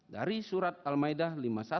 dari surat al ma'idah lima puluh satu